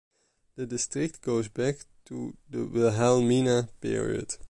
The district goes back to the Wilhelmine Period.